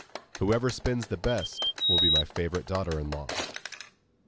Whoever spins the best will be my favourite daughter in law.